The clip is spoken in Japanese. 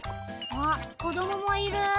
あっこどももいる。